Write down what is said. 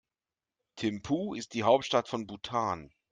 Thimphu ist die Hauptstadt von Bhutan.